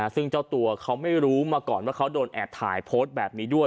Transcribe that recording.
ซึ่งเจ้าตัวเขาไม่รู้มาก่อนว่าเขาโดนแอบถ่ายโพสต์แบบนี้ด้วย